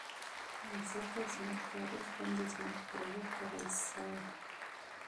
ځکه زموږ تاريخ باندې زموږ هويت ټړل شوى.